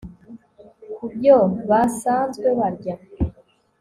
ku byo basanzwe barya